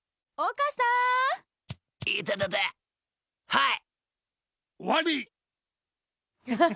はい。